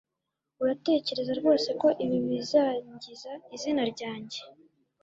Uratekereza rwose ko ibi bizangiza izina ryanjye